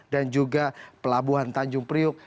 dan juga pelabuhan tanjung priok